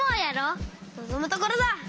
のぞむところだ！